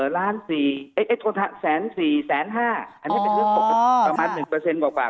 ล้านสี่เอ๊ะเอ๊ะแสนสี่แสนห้าอ๋ออ๋ออ๋อประมาณหนึ่งเปอร์เซ็นต์กว่า